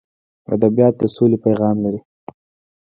ادبیات د سولې پیغام لري.